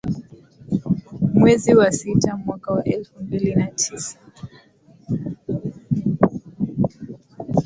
Mwezi wa sita mwaka wa elfu mbili na tisa